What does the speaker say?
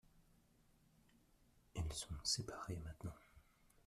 ils sont séparés maintenant.